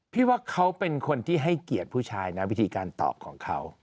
พี่ว่าเขาเป็นคนที่ให้เกียรติผู้ชายนะวิธีการตอบของเขา